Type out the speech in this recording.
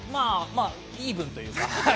イーブンというか。